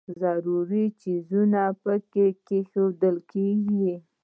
ضروري څیزونه پکې کښېږدي.